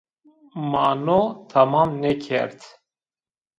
Ma no temam nêkerd